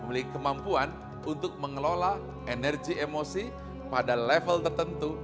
memiliki kemampuan untuk mengelola energi emosi pada level tertentu